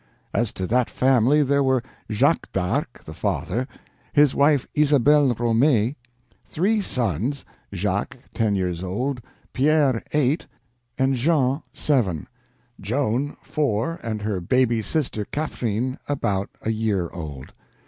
As to that family there were Jacques d'Arc the father, his wife Isabel Romee; three sons—Jacques, ten years old, Pierre, eight, and Jean, seven; Joan, four, and her baby sister Catherine, about a year old.